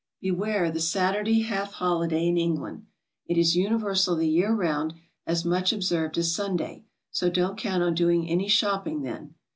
Beware the Saturday half holiday in England. It is universal the year round, as much observed as Sunday, so don't count on doing any shopping then.